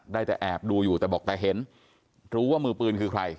ได้แต่แอบดูอยู่แต่บอกแต่เห็นรู้ว่ามือปืนคือใคร